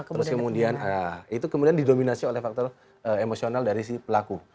terus kemudian itu kemudian didominasi oleh faktor emosional dari si pelaku